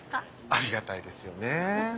ありがたいですよね。